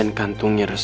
suka sih orang propio